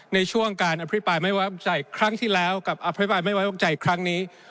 ในช่วงการอภิปัยไม่ว่างจ่ายครั้งที่แล้วกับอภิปัยไม่ว่างจ่ายครั้งนี้